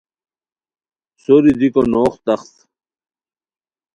سوری دیکو نوغ تخت